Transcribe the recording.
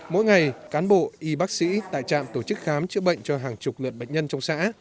mỗi ngày cán bộ y bác sĩ tại trạm tổ chức khám chữa bệnh cho hàng chục lượt bệnh nhân trong xã